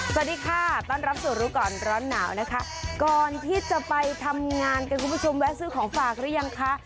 สวัสดีค่ะต้อนรับสู่รู้ก่อนร้อนหนาวนะคะก่อนที่จะไปทำงานกันคุณผู้ชมแวะซื้อของฝากหรือยังคะ